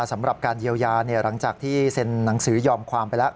สำหรับการเยียวยาหลังจากที่เซ็นหนังสือยอมความไปแล้ว